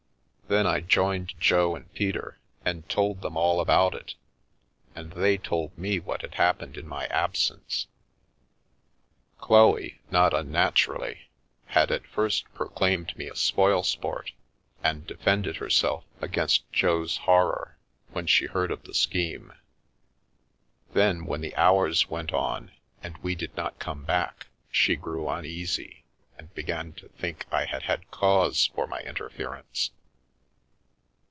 Then I joined Jo and Peter, and told them all about it, and they told me what had happened in my absence. Chloe, not unnaturally, had at first proclaimed me a spoil sport, and defended herself against Jo's horror when she heard of the scheme. Then, when the hours went on and we did not come back, she grew uneasy, and began to think I had had cause for my interference.